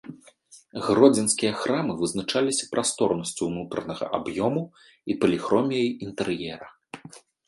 Гродзенскія храмы вызначаліся прасторнасцю ўнутранага аб'ёму і паліхроміяй інтэр'ера.